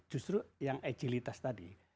justru yang agilitas tadi